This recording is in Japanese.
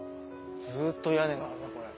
ずっと屋根があるなこれ。